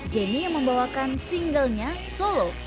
jenny yang membawakan singlenya solo